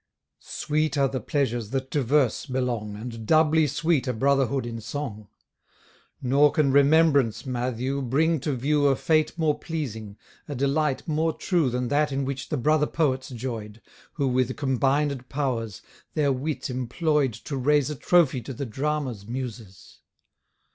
Sweet are the pleasures that to verse belong, And doubly sweet a brotherhood in song; Nor can remembrance, Mathew! bring to view A fate more pleasing, a delight more true Than that in which the brother Poets joy'd, Who with combined powers, their wit employ'd To raise a trophy to the drama's muses.